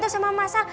itu sama mas al